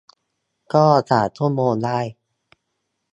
ก็สามชั่วโมงได้